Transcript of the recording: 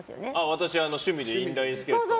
私、趣味でインラインスケート。